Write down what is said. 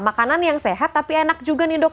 makanan yang sehat tapi enak juga nih dok